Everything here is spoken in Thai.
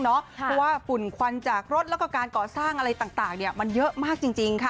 เพราะว่าฝุ่นควันจากรถแล้วก็การก่อสร้างอะไรต่างมันเยอะมากจริงค่ะ